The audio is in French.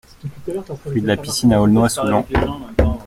Rue de la Piscine à Aulnois-sous-Laon